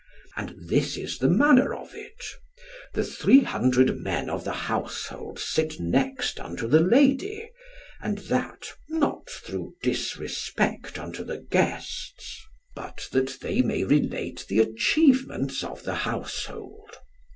And this is the manner of it, the three hundred men of the household sit next unto the Lady; and that not through disrespect unto the guests, but that they may relate the achievements of the household.